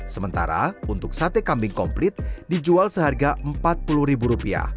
sementara untuk sate kambing komplit dijual seharga rp empat puluh